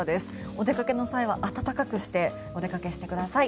お出かけの際は暖かくしてお出かけしてください。